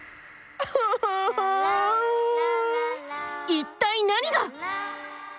一体何が？